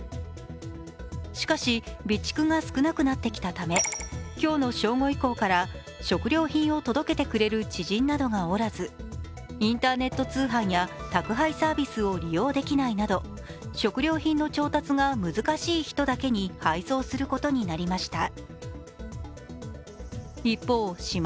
しかし、備蓄が少なくなってきたため今日の正午以降から食料を届けてくれる知人などがおらず、インターネット通販や宅配サービスを利用できないなど、食料品の調達が難しい人だけに配送することになりました。